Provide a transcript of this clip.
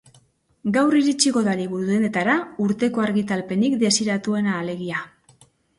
Gaur iritsiko da liburudendetara urteko argitalpenik desiratuena,, alegia.